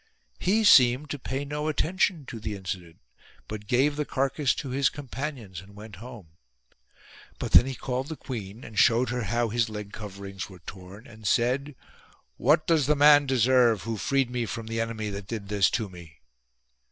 He seemed to pay no attention to. the incident ; but gave the carcass to his companions and went home. But then he called the queen and showed her how his leg coverings were torn, and said :" What does the man deserve who freed me from the enemy that did this to me